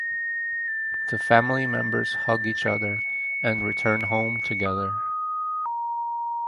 The family members hug each other and return home together.